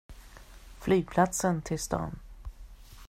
Flygplatsen till stan.